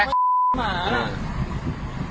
หมา